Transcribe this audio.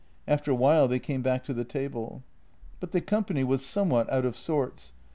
After a while they came back to the table. But the company was somewhat out of sorts.